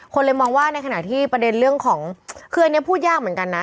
เลยมองว่าในขณะที่ประเด็นเรื่องของคืออันนี้พูดยากเหมือนกันนะ